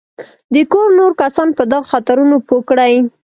د کور نور کسان په دغو خطرونو پوه کړي.